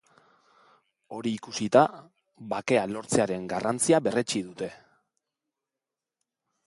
Hori ikusita, bakea lortzearen garrantzia berretsi dute.